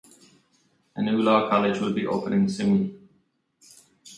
A new law college will be opened soon.